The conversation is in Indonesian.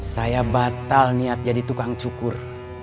saya batal niat jadi tukang cukur